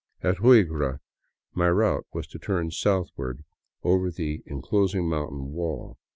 At Huigra my route was to turn southward over the enclosing moun tain wall.